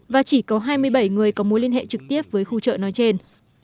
và chỉ có hai mươi bảy người có mối liên hệ trực tiếp với khu chợ nói trên